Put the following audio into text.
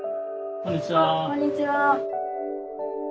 こんにちは。